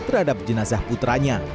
terhadap jenazah putranya